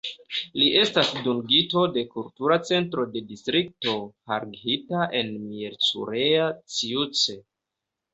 Li estas dungito de Kultura Centro de Distrikto Harghita en Miercurea Ciuc.